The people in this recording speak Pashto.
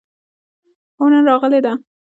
هو، نن راغلې ده